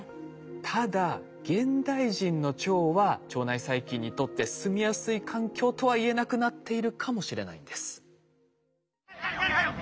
ただ現代人の腸は腸内細菌にとって住みやすい環境とは言えなくなっているかもしれないんです。